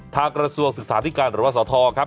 กระทรวงศึกษาธิการหรือว่าสทครับ